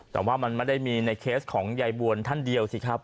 แต่ว่ามันไม่ได้มีในเคสของยายบวนท่านเดียวสิครับ